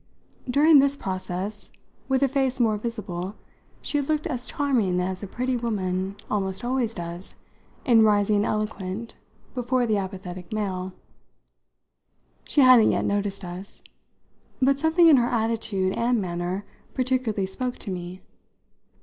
During this process, with a face more visible, she had looked as charming as a pretty woman almost always does in rising eloquent before the apathetic male. She hadn't yet noticed us, but something in her attitude and manner particularly spoke to me.